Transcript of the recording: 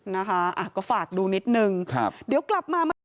นะคะก็ฝากดูนิดนึงเดี๋ยวกลับมามาก่อน